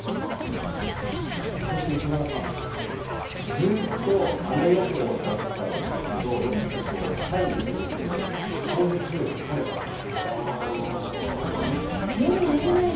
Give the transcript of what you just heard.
ずっと雨予報だったんですけれど、タイに行ったときに当日、晴れたとき。